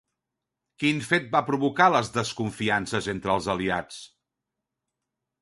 Quin fet va provocar les desconfiances entre els aliats?